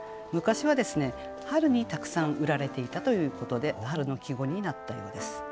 昔は春にたくさん売られていたということで春の季語になったようです。